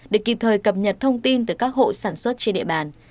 để kịp thời cập nhật thông tin từ các hộ sản xuất trên địa bàn